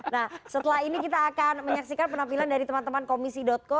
nah setelah ini kita akan menyaksikan penampilan dari teman teman komisi co